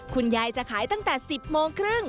คุณยายจะขายตั้งแต่๑๐โมงครึ่ง